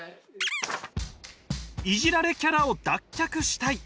イジられキャラを脱却したい。